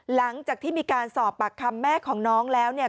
หลังจากที่มีการสอบปากคำแม่ของน้องแล้วเนี่ย